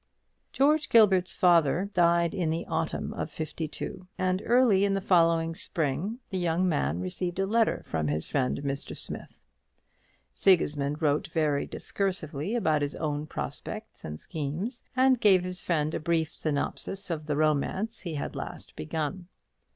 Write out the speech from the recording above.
George Gilbert's father died in the autumn of '52; and early in the following spring the young man received a letter from his friend Mr. Smith. Sigismund wrote very discursively about his own prospects and schemes, and gave his friend a brief synopsis of the romance he had last begun.